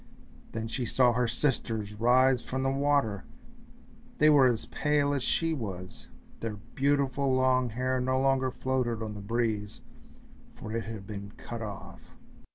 Then she saw her sisters rise from the water, they were as pale as she was, their beautiful long hair no longer floated on the breeze, for it had been cut off.